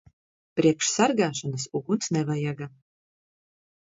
Priekš sargāšanas uguns nevajaga.